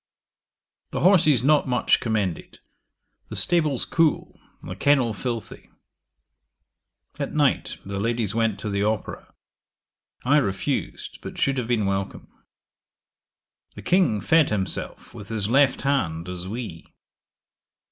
'The horses not much commended. The stables cool; the kennel filthy. 'At night the ladies went to the opera. I refused, but should have been welcome. 'The King fed himself with his left hand as we.